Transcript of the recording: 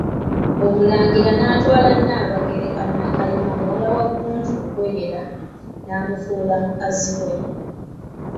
Omulangira n'atwala Nnaabagereka Nnakayima muwala wa Ggunju Luboyera, n'amufuula mukazi we.